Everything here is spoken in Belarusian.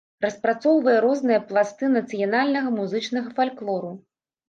Распрацоўвае розныя пласты нацыянальнага музычнага фальклору.